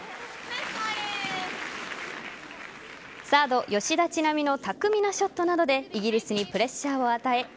サード・吉田知那美の巧みなショットなどでイギリスにプレッシャーを与え